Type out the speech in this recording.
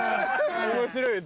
面白いよ